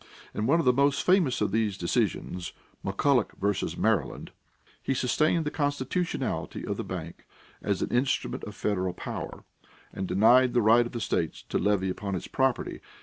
In one of the most famous of these decisions (McCulloch vs. Maryland), he sustained the constitutionality of the bank as an instrument of federal power and denied the right of the states to levy upon its property.